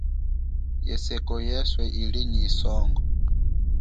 Yeseko yeswe ili nyi songo.